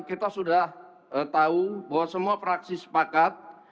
kita sudah tahu bahwa semua fraksi sepakat